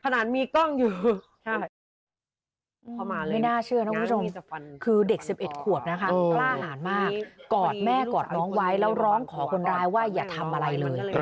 แล้วร้องขอคนร้ายว่าอย่าทำอะไรเลย